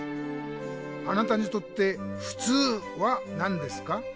あなたにとって「ふつう」は何ですか？